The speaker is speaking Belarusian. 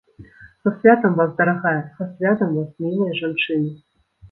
Са святам вас, дарагая, са святам вас, мілыя жанчыны!